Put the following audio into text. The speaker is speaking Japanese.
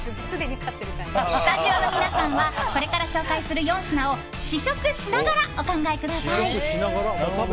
スタジオの皆さんはこれから紹介する４品を試食しながらお考えください。